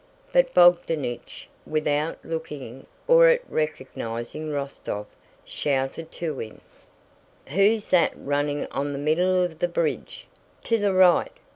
But Bogdánich, without looking at or recognizing Rostóv, shouted to him: "Who's that running on the middle of the bridge? To the right!